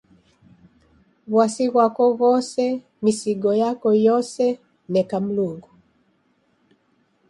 W'asi ghwako ghose, misigo yako yose, neka Mlungu.